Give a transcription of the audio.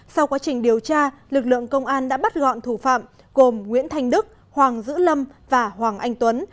sau quá trình điều tra lực lượng công an đã bắt gọn thủ phạm gồm nguyễn thanh đức hoàng dữ lâm và hoàng anh tuấn